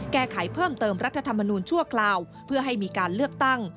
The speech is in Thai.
แก้ไขเพิ่มเติมรัฐธรรมนูญชั่วคราวเพื่อให้มีการเลือกตั้ง